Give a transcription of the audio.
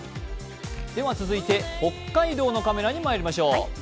続いて北海道のカメラにまいりましょう。